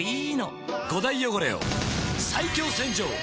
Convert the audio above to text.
５大汚れを最強洗浄！